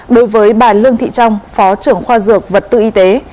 đối với bà lương thị trong phó trưởng khoa dược vật tư y tế